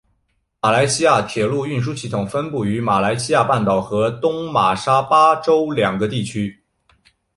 马来西亚铁路运输系统分布于马来西亚半岛和东马沙巴州两个地区。